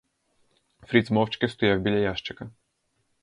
Фріц мовчки стояв біля ящика.